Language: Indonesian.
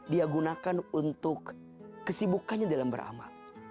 dia gunakan untuk kesibukannya dalam beramal